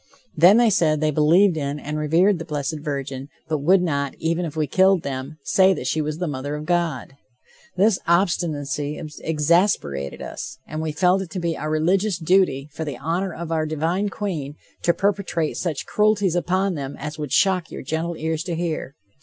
Then they said they believed in and revered the blessed virgin, but would not, even if we killed them, say that she was the mother of God. This obstinacy exasperated us and we felt it to be our religious duty, for the honor of our divine Queen, to perpetrate such cruelties upon them as would shock your gentle ears to hear.